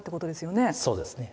そうですね。